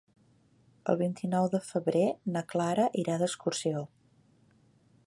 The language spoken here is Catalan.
El vint-i-nou de febrer na Clara irà d'excursió.